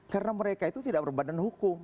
karena mereka itu tidak berbadan hukum